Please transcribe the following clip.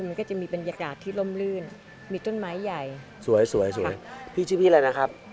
มันก็จะมีบรรยากาศที่ร่มลื่นมีต้นไม้ใหญ่สวยสวยสวยพี่ชื่อพี่อะไรนะครับ